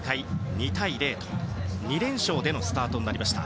２対０と２連勝でのスタートになりました。